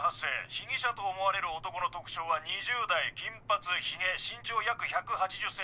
被疑者と思われる男の特徴は２０代金髪ヒゲ身長約１８０ｃｍ。